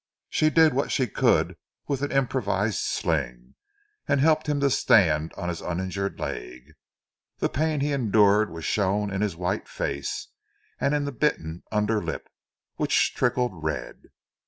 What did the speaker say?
She did what she could with an improvised sling, and helped him to stand on his uninjured leg. The pain he endured was shown in his white face, and in the bitten under lip, which trickled red.